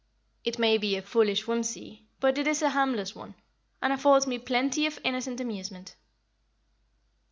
It may be a foolish whimsie, but it is a harmless one, and affords me plenty of innocent amusement."